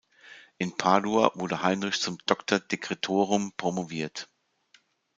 In Padua wurde Heinrich zum "doctor decretorum" promoviert.